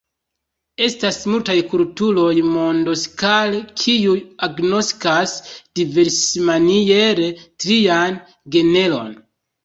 Estas multaj kulturoj mondskale, kiuj agnoskas diversmaniere ‘trian genron’.